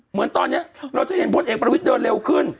เหมือนตอนนี้เราจะเห็นพลเอกประวิทย์เดินเร็วขึ้น